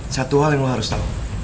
satu hal yang lo harus tau